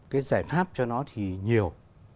cái giải pháp cho nó thì nhiều